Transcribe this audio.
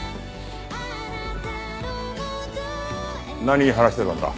何話してたんだ？